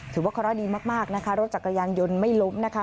ถือว่าเคราะห์ดีมากนะคะรถจักรยานยนต์ไม่ล้มนะคะ